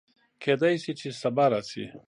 کېدی شي چې سبا راشي